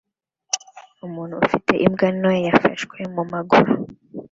umuntu ufite imbwa nto yafashwe mumaguru